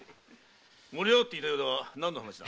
盛り上がっていたようだが何の話だ？